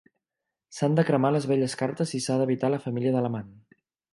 S'han de cremar les velles cartes i s'ha d'evitar la família de l'amant.